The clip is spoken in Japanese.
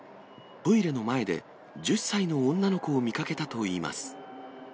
トイレの前で、１０歳の女の子を見かけたといいます。